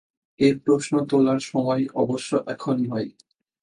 এ প্রশ্ন তোলার সময় অবশ্য এখন নয়।